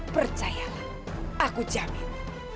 percayalah aku jamin